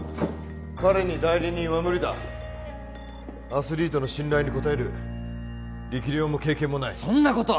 彼に代理人は無理だアスリートの信頼に応える力量も経験もないそんなこと！